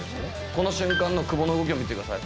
この瞬間の久保の動きを見てください。